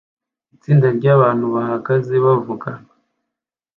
Itsinda ryabantu bahagaze bavugana